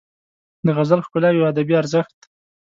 د غزل ښکلاوې او ادبي ارزښت